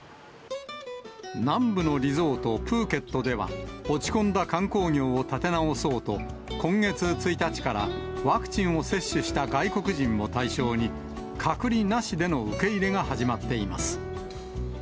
南部のリゾート、プーケットでは、落ち込んだ観光業を立て直そうと、今月１日からワクチンを接種した外国人を対象に、隔離なしでの受け入れが始まっています。